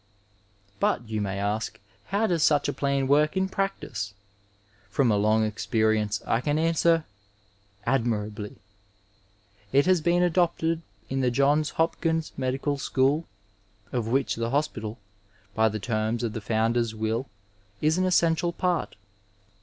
But, you may ask, how does such a plan work in prac tice ? From a long experience I can answer, admirably ! It has been adopted in the Johns Hopkins Medical School, of which the hospital, by the terms of the founder's will, is an essential part.